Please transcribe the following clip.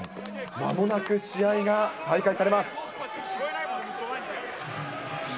まもなく試合が再開されます。